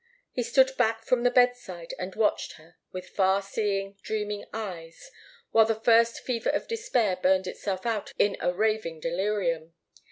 He stood back from the bedside and watched her with far seeing, dreaming eyes, while the first fever of despair burned itself out in a raving delirium.